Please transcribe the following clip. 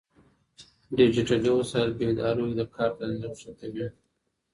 ډيجيټلي وسايل په ادارو کې د کار تنظيم ښه کوي.